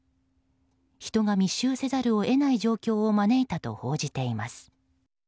人が密集せざるを得ない状況を招いたと報じています。